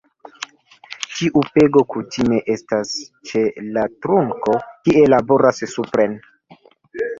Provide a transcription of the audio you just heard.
Tiu pego kutime estas ĉe la trunko, kie laboras supren.